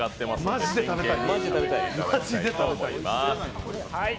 マジで食べたい。